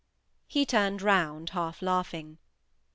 He turned round, half laughing.